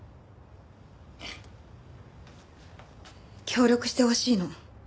協力してほしいの。